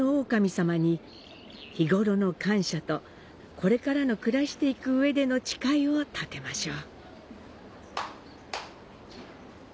これからの暮らしていく上での誓いを立てましょう。